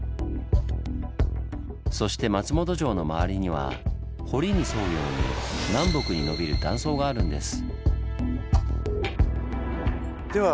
そして松本城の周りには堀に沿うように南北にのびる断層があるんです。